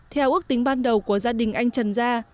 theo ước tính ban đầu của gia đình anh trần gia